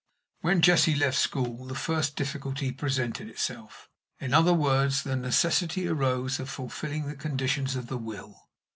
When Jessie left school the first difficulty presented itself in other words, the necessity arose of fulfilling the conditions of the will.